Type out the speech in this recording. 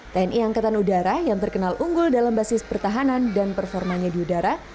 tni angkatan udara yang terkenal unggul dalam basis pertahanan dan performanya di udara